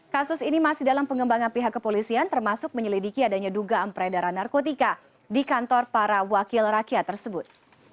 kasus ini masih dalam pengembangan pihak kepolisian termasuk menyelidiki adanya dugaan peredaran narkotika di kantor para wakil rakyat tersebut